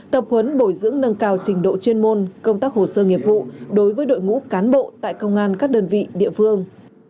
tập huấn bồi dưỡng nâng cao trình độ chuyên môn công tác hồ sơ nghiệp vụ đối với đội ngũ cán bộ tại công an các đơn vị địa phương